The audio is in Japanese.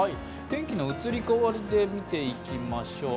天気の移り変わりで見ていきましょう。